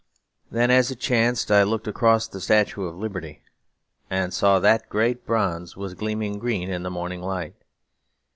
Then, as it chanced, I looked across at the statue of Liberty, and saw that the great bronze was gleaming green in the morning light.